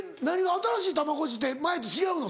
新しいたまごっちって前と違うの？